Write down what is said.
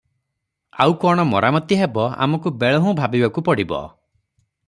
ଆଉ କଣ ମରାମତି ହେବ ଆମକୁ ବେଳ ହୁଁ ଭାବିବାକୁ ପଡ଼ିବ ।